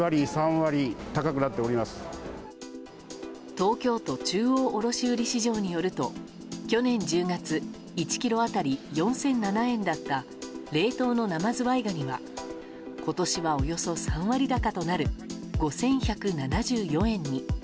東京都中央卸売市場によると去年１０月、１ｋｇ当たり４００７円だった冷凍の生ズワイガニは今年は、およそ３割高となる５１７４円に。